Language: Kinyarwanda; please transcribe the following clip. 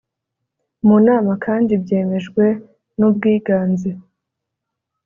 mu nama kandi byemejwen ubwiganze